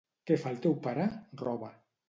—Què fa el teu pare? —Roba.